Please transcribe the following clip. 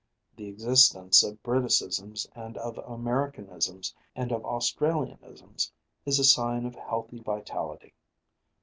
The existence of Briticisms and of Americanisms and of Australianisms is a sign of healthy vitality.